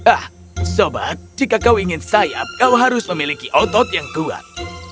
ah sobat jika kau ingin sayap kau harus memiliki otot yang kuat